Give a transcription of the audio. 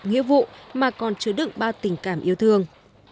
nghĩa vụ mà còn chứa đựng ba tình cảm yêu thương